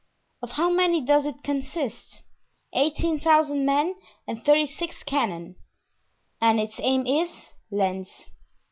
"Of how many does it consist?" "Eighteen thousand men and thirty six cannon." "And its aim is?" "Lens."